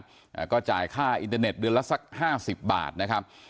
อ่าก็จ่ายค่าอินเทอร์เน็ตเดือนละสักห้าสิบบาทนะครับ